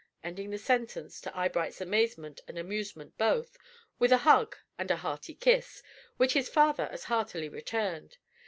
ending the sentence, to Eyebright's amazement and amusement both, with a hug and a hearty kiss, which his father as heartily returned.